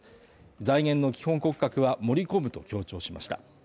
財源の基本骨格は盛り込むと強調しました。